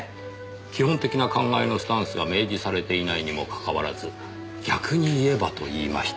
基本的な考えのスタンスが明示されていないにもかかわらず「逆に言えば」と言いました。